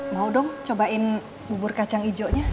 mau dong cobain bubur kacang ijo nya